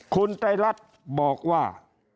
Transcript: คุณไตรรัฐบอกว่า